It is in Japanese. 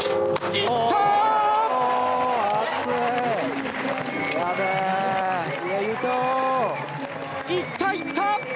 いった、いった！